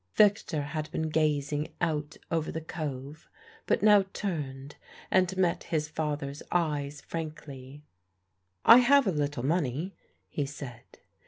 ." Victor had been gazing out over the cove, but now turned and met his father's eyes frankly. "I have a little money," he said.